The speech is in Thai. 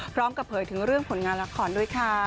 พร้อมกับเผยถึงเรื่องผลงานละครด้วยค่ะ